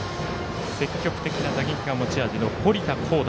積極的な打撃が持ち味の堀田晄大。